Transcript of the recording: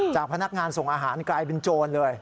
พนักงานส่งอาหารกลายเป็นโจรเลย